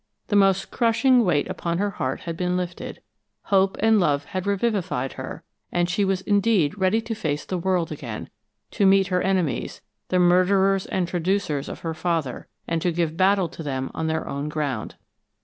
The most crushing weight upon her heart had been lifted; hope and love had revivified her; and she was indeed ready to face the world again, to meet her enemies, the murderers and traducers of her father, and to give battle to them on their own ground.